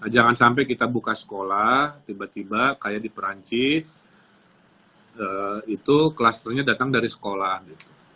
jangan sampai kita buka sekolah tiba tiba kayak di perancis itu klusternya datang dari sekolah gitu